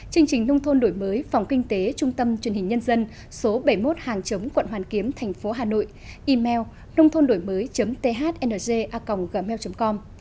chương trình nông thôn nổi mới phòng kinh tế trung tâm truyền hình nhân dân số bảy mươi một hàng chống quận hoàn kiếm tp hà nội email nôngthonnổimới thng gmail com